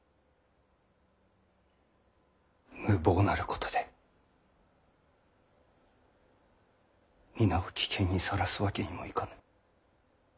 無謀なることで皆を危険にさらすわけにもいかぬ。